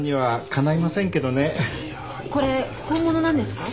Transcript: これ本物なんですか？